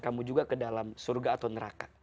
kamu juga ke dalam surga atau neraka